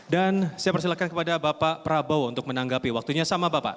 dan saya persilakan kepada bapak prabowo untuk menanggapi waktunya sama bapak